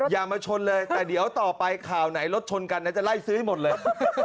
อย่ามาชนเลยแต่เดี๋ยวต่อไปข่าวไหนรถชนกันนะจะไล่ซื้อให้หมดเลย